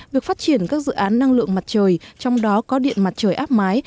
việc phát triển các dự án năng lượng mặt trời trong đó có điện mặt trời áp mái